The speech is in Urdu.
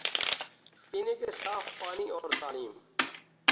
پینے کے صاف پانی اور تعلیم